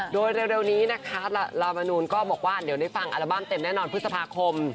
โดยเร็วนี้นะคะลามานูนก็บอกว่าเดี๋ยวได้ฟังอัลบั้มเต็มแน่นอนพฤษภาคม